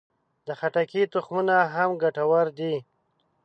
د خټکي تخمونه هم ګټور دي.